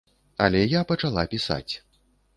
Але я пачала пісаць.